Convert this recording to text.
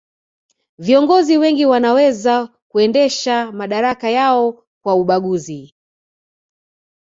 viongozi wengi wanaweza kuendesha madaraka yao kwa ubaguzi